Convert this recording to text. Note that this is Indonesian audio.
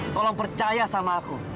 tolong percaya sama aku